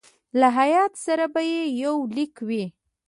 له هیات سره به یو لیک وي.